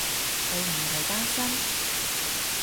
佢唔係單身？